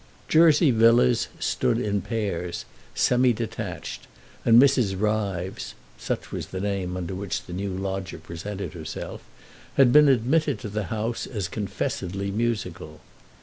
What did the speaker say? Jersey Villas stood in pairs, semi detached, and Mrs. Ryves—such was the name under which the new lodger presented herself—had been admitted to the house as confessedly musical.